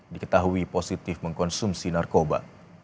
diketahui positif mengkonsumsi narkoba